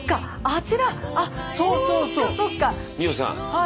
はい。